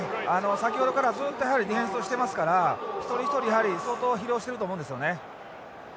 先ほどからずっとやはりディフェンスをしていますから一人一人やはり相当疲労してると思うんですよね。